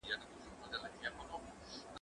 زه بايد وخت تېرووم!.